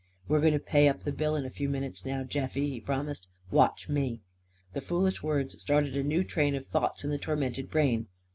"We're going to pay up the bill in a few minutes now, Jeffie!" he promised. "Watch me!" The foolish words started a new train of thoughts in the tormented brain.